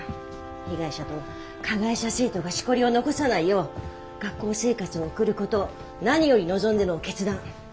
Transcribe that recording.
被害者と加害者生徒がしこりを残さないよう学校生活を送る事を何より望んでの決断。